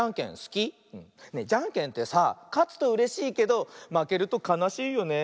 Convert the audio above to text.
じゃんけんってさかつとうれしいけどまけるとかなしいよね。